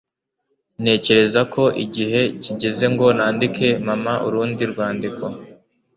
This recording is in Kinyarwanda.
Ntekereza ko igihe kigeze ngo nandike mama urundi rwandiko